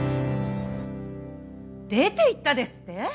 出て行ったですって？